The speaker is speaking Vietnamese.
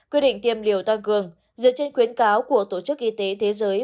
quy định tiêm liều tăng cường dựa trên khuyến cáo của tổ chức y tế thế giới